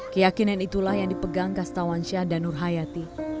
keyakinan itulah yang dipegang kastawan syah dan nur hayati